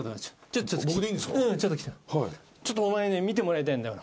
ちょっとお前に見てもらいたいんだよ。